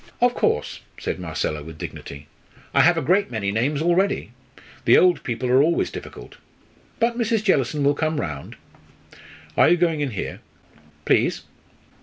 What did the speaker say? "Of course," said Marcella, with dignity. "I have a great many names already. The old people are always difficult. But Mrs. Jellison will come round." "Are you going in here?" "Please."